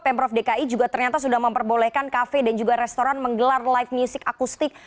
pemprov dki juga ternyata sudah memperbolehkan kafe dan juga restoran menggelar live music akustik